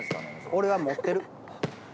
俺は持ってる。